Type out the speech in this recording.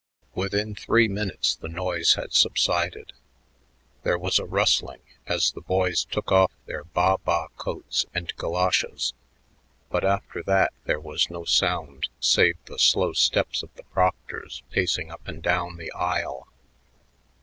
Within three minutes the noise had subsided. There was a rustling as the boys took off their baa baa coats and goloshes, but after that there was no sound save the slow steps of the proctors pacing up and down the aisle.